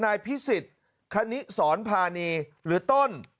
นายพิสิทธิ์คณิสรพานีหรือต้น